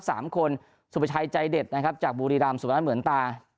สามคนสุประชายใจเด็ดนะครับจากบุรีรามสุภาษณ์เหมือนตา